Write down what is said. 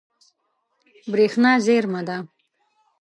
برېښنا زیرمه ده.